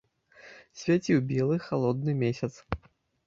Свяціў белы, халодны месяц.